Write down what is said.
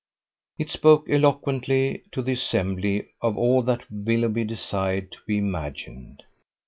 It spoke eloquently to the assembly of all that Willoughby desired to be imagined.